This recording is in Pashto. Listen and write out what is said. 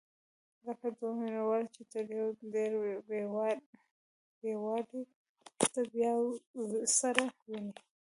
لکه دوه مینه وال چې تر ډېر بېلوالي وروسته بیا سره ویني.